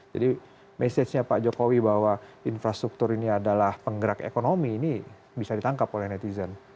jadi mesejnya pak jokowi bahwa infrastruktur ini adalah penggerak ekonomi ini bisa ditangkap oleh netizen